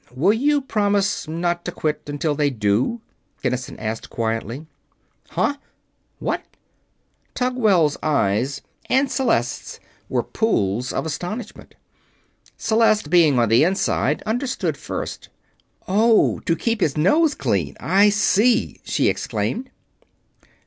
"Will you promise not to quit until they do?" Kinnison asked, quietly. "Huh?" "What?" Tugwell's eyes and Celeste's were pools of astonishment. Celeste, being on the inside, understood first. "Oh to keep his nose clean I see!" she exclaimed.